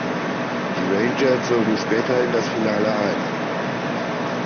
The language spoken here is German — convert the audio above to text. Die Rangers zogen später in das Finale ein.